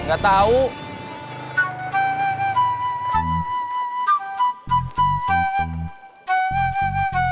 mendiel tangan youtube prime